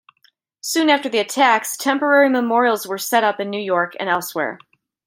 Soon after the attacks, temporary memorials were set up in New York and elsewhere.